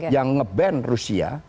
yang nge ban rusia